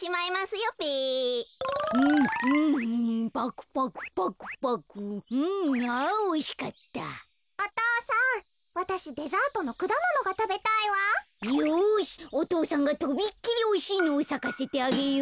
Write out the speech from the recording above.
よしおとうさんがとびっきりおいしいのをさかせてあげよう。